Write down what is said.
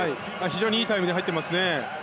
非常にいいタイムで入ってますね。